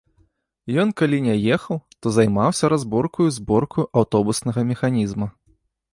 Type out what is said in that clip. Ён калі не ехаў, то займаўся разборкаю і зборкаю аўтобуснага механізма.